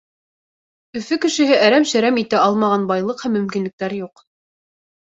Өфө кешеһе әрәм-шәрәм итә алмаған байлыҡ һәм мөмкинлектәр юҡ.